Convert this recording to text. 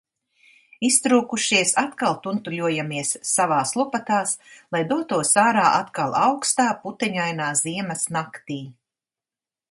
Iztrūkušies atkal tuntuļojamies savās lupatās, lai dotos ārā atkal aukstā puteņainā ziemas naktī.